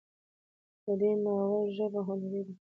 د دې ناول ژبه هنري ده